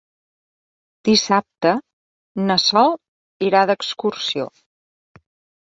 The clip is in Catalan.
Dissabte na Sol irà d'excursió.